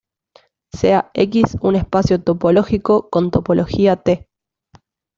Sea "X" un espacio topológico con topología "T".